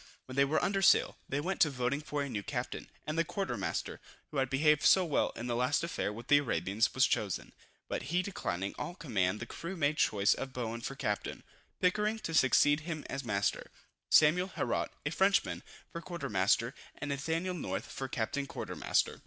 When they were under sail, they went to voting for a new captain, and the quarter master, who had behaved so well in the last affair with the Arabians, was chosen; but he declining all command the crew made choice of Bowen for captain, Pickering to succeed him as master, Samuel Herault, a Frenchman, for quarter master, and Nathaniel North for captain quarter master.